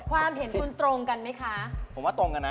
ความเห็นคุณตรงกันไหมคะผมว่าตรงกันนะ